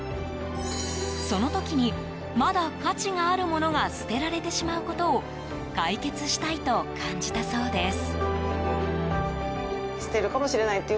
その時に、まだ価値があるものが捨てられてしまうことを解決したいと感じたそうです。